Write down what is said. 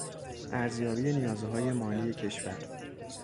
ارزیابی نیازهای مالی کشور